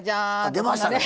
あ出ましたね。